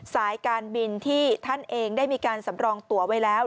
สายการบินที่ท่านเองได้มีการสำรองตัวไว้แล้ว